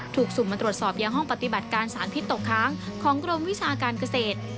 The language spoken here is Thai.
ถูกสุ่มมาตรวจสอบยังห้องปฏิบัติการสารพิษตกค้างของกรมวิชาการเกษตร